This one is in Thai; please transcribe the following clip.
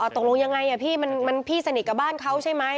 ตรงรวมยังไงอะพี่มันพี่สนิทกับบ้านเขาใช่ไหม